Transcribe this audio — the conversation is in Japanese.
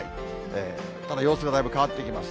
ただ、様子がだいぶ変わってきます。